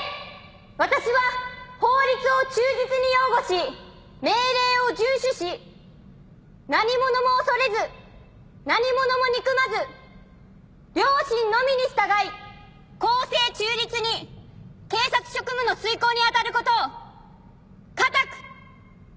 私は法律を忠実に擁護し命令を順守し何ものも恐れず何ものも憎まず良心のみに従い公正中立に警察職務の遂行に当たることを固く誓います！